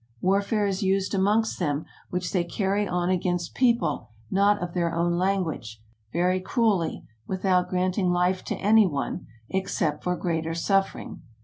Warfare is used amongst them, which they carry on against people not of their own language, very cruelly, without granting life to any one, except for greater suffering.